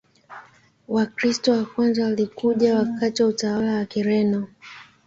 Wakristo wa kwanza walikuja wakati wa utawala wa Kireno